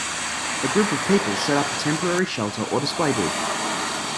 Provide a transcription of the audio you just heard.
A group of people set up a temporary shelter or display booth.